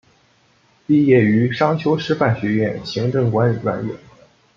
毕业于商丘师范学院行政管理专业。